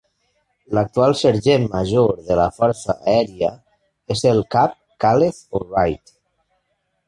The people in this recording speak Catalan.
L'actual Sergent Major de la Força Aèria és el Cap Kaleth O. Wright.